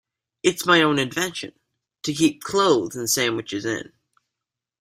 It’s my own invention—to keep clothes and sandwiches in.